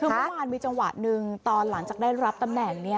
คือเมื่อวานมีจังหวะหนึ่งตอนหลังจากได้รับตำแหน่ง